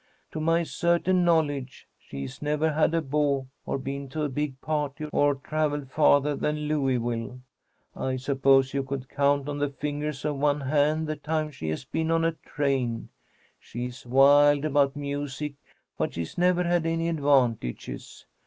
To my certain knowledge she's never had a beau or been to a big party or travelled farther than Louisville. I suppose you could count on the fingers of one hand the times she has been on a train. She's wild about music, but she's never had any advantages.